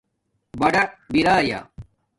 بڑا برایْآ